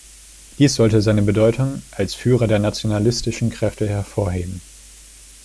Dies sollte seine Bedeutung als Führer der nationalistischen Kräfte hervorheben.